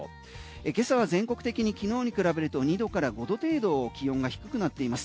今朝は全国的にきのうに比べると２℃から５℃程度気温が低くなっています。